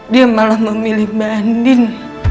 dia malah memilih mbak andin